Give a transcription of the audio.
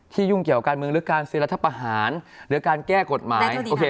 ยุ่งเกี่ยวการเมืองหรือการซื้อรัฐประหารหรือการแก้กฎหมาย